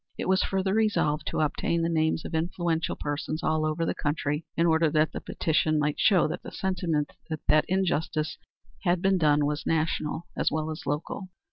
It was further resolved to obtain the names of influential persons all over the country in order that the petition might show that the sentiment that injustice had been done was national as well as local.